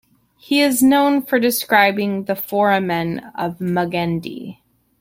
He is known for describing the foramen of Magendie.